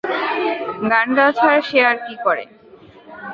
গার্ন গাওয়া ছাড়া সে আর কী করে?